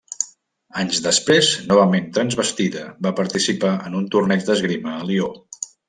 Anys després, novament transvestida, va participar en un torneig d'esgrima a Lió.